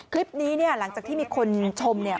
คลิปนี้เนี่ยหลังจากที่มีคนชมเนี่ย